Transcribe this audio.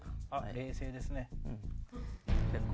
冷静ですね。